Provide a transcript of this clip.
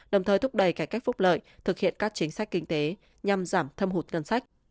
đồng thời thúc đẩy cải cách phúc lợi thực hiện các chính sách kinh tế nhằm giảm thâm hụt ngân sách